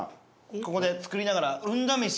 ここで作りながら。